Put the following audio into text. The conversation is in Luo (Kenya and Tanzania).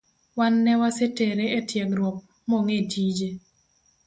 Wan ne wasetere etiegruok mong’e tije